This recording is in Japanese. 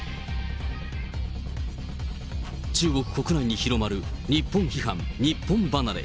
中国国内に広まる日本批判、日本離れ。